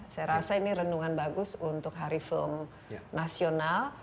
saya rasa ini renungan bagus untuk hari film nasional